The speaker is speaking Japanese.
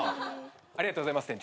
ありがとうございます店長。